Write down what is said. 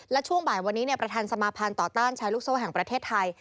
และช่วงบ่ายวันนี้ประธานสมาภัณฑ์ต่อต้านแชร์ลูกโซ่แห่งประเทศไทย